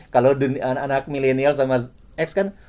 kalau anak anak milenial sama x kan